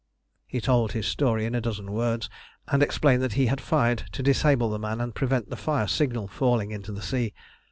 He told his story in a dozen words, and explained that he had fired to disable the man and prevent the fire signal falling into the sea.